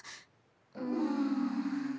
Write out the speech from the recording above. うん。